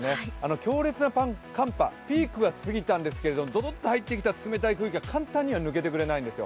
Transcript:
強烈な寒波、ピークは過ぎたんですけれどもドドッと入ってきた冷たい空気が簡単には抜けてくれないんですよ。